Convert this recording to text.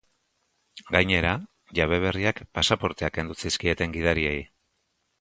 Gainera, jabe berriak pasaporteak kendu zizkieten gidariei.